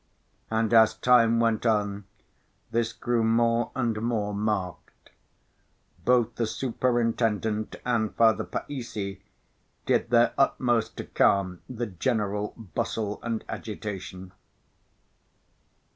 And as time went on, this grew more and more marked. Both the Superintendent and Father Païssy did their utmost to calm the general bustle and agitation.